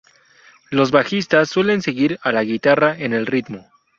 Los bajistas suelen seguir a la guitarra en el ritmo.